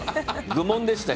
愚問でした。